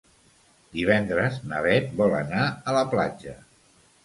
Divendres na Beth vol anar a la platja.